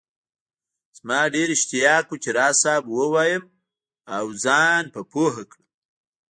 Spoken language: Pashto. زما ډېر اشتياق وو چي راز صاحب ووايم او زان په پوهه کړم